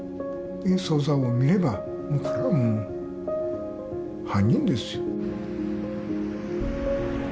捜査を見ればこれはもう犯人ですよ。